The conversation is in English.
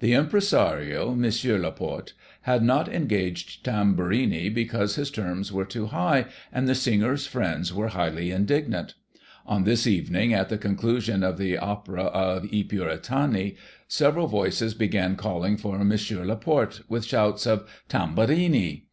The Impresario, M. Laporte, had not engaged Tamburini, because his terms were too high, and the singer's friends were highly indignant. On this evening, at the con clusion of the opera of / Puritani, several voices began calling for M. Laporte, with shouts of " Tamburini